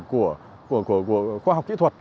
của khoa học kỹ thuật